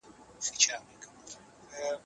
سپین سرې د ماشوم لپاره شیرني ساتلې وه.